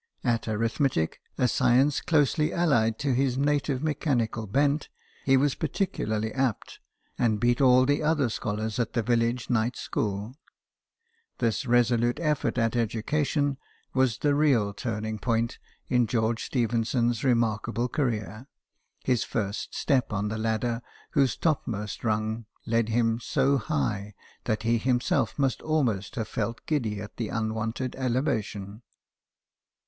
At arithmetic, a science closely allied to his native mechanical bent, he was par ticularly apt, and beat all the other scholars at the village night school. This resolute effort at education was the real turning point in George Stephenson's remarkable career, the first step on the ladder whose topmost rung led him so high that he himself must almost have felt giddy at the unwonted elevation.